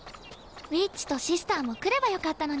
ウィッチとシスターも来ればよかったのに。